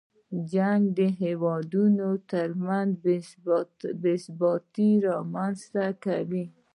جنګ د هېوادونو تر منځ بې ثباتۍ رامنځته کوي.